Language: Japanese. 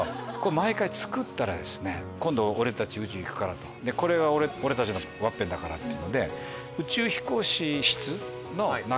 毎回作ったら「今度俺たち宇宙行くからこれが俺たちのワッペンだから」。へぇ！